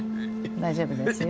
大丈夫ですよ。